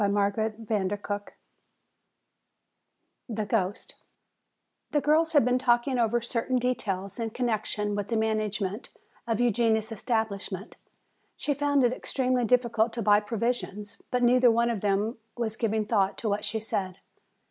CHAPTER XII The Ghost The girls had been talking over certain details in connection with the management of Eugenia's establishment. She found it extremely difficult to buy provisions. But neither one of them was giving thought to what she said.